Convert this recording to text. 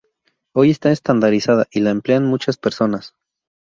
Hoy está estandarizada y la emplean muchas personas.